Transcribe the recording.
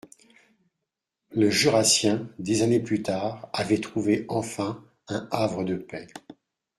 Le Jurassien, des années plus tard, avait trouvé, enfin, un havre de paix